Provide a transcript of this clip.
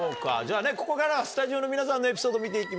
ここからはスタジオの皆さんのエピソード見て行きましょう。